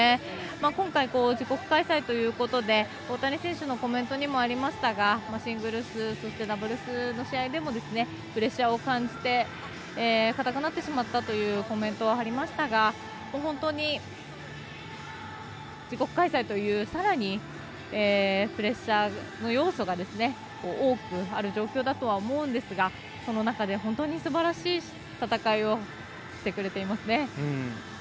今回、自国開催ということで大谷選手のコメントにもありましたがシングルスそしてダブルスの試合でもプレッシャーを感じて硬くなってしまったというコメントありましたが本当に自国開催というさらにプレッシャーの要素が多くある状況だとは思うんですがその中で本当にすばらしい戦いをしてくれていますね。